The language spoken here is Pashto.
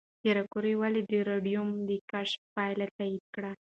پېیر کوري ولې د راډیوم د کشف پایله تایید کړه؟